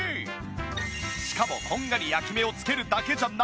しかもこんがり焼き目をつけるだけじゃない！